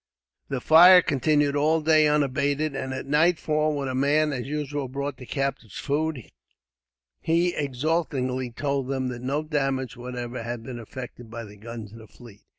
The fire continued all day unabated; and at nightfall, when a man, as usual, brought the captives food, he exultingly told them that no damage whatever had been effected by the guns of the fleet.